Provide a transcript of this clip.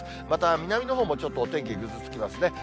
また、南のほうもちょっとお天気ぐずつきますね。